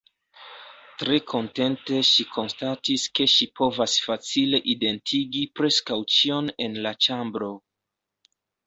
Tre kontente ŝi konstatis ke ŝi povas facile identigi preskaŭ ĉion en la ĉambro.